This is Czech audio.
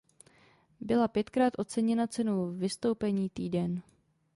Byla pětkrát oceněna cenou „Vystoupení týden“.